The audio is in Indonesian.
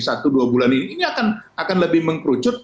satu dua bulan ini ini akan lebih mengkerucut